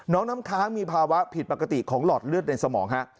น้ำค้างมีภาวะผิดปกติของหลอดเลือดในสมองฮะ